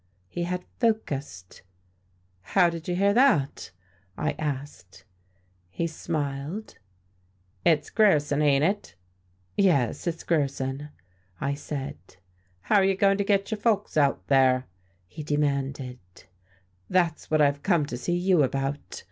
He had "focussed." "How did you hear that?" I asked. He smiled. "It's Grierson, ain't it?" "Yes, it's Grierson," I said. "How are you going to get your folks out there?" he demanded. "That's what I've come to see you about.